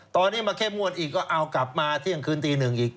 ตอนนี้มาเข้มงวดอีกก็เอากลับมาเที่ยงคืนตีหนึ่งอีก